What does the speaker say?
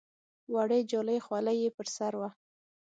وړې جالۍ خولۍ یې پر سر وې.